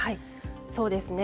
そうですね。